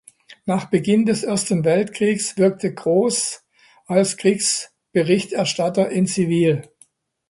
Nach Beginn des Ersten Weltkrieges wirkte Grohs als „Kriegsberichterstatter in Zivil“.